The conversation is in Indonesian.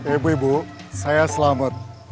ibu ibu saya selamat